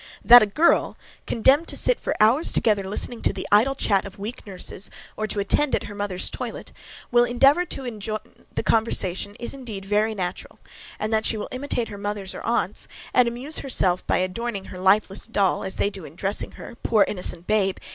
That a girl, condemned to sit for hours together listening to the idle chat of weak nurses or to attend at her mother's toilet, will endeavour to join the conversation, is, indeed very natural; and that she will imitate her mother or aunts, and amuse herself by adorning her lifeless doll, as they do in dressing her, poor innocent babe!